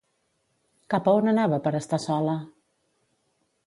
Cap a on anava per estar sola?